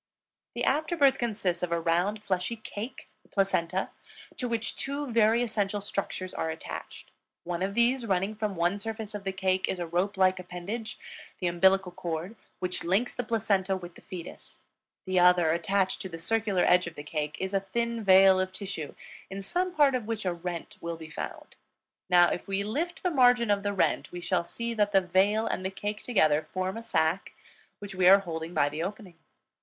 The after birth consists of a round, fleshy cake, the placenta, to which two very essential structures are attached. One of these, running from one surface of the cake, is a rope like appendage, the umbilical cord, which links the placenta with the fetus. The other, attached to the circular edge of the cake, is a thin veil of tissue, in some part of which a rent will be found. Now, if we lift the margin of the rent, we shall see that the veil and the cake together form a sac which we are holding by the opening.